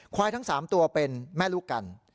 ควายทั้ง๓ตัวเป็นแม่ลูกกัน